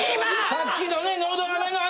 さっきのね。